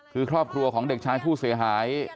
คือครอบครัวของเด็กชายผู้เสียหาย